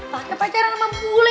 pakai pacaran sama bule